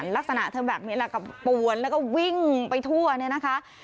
ลักษณะเธอแบบนี้แหละกับปวนแล้วก็วิ่งไปทั่วเนี่ยนะคะ